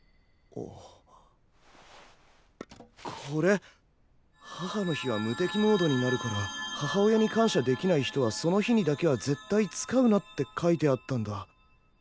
これ母の日は無敵モードになるから母親に感謝できない人はその日にだけは絶対使うなって書いてあったんだ。